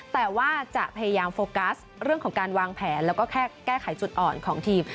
แต่ว่าจะพยายามโฟกัสเรื่องของการวางแผนแล้วก็แค่แก้ไขจุดอ่อนของทีม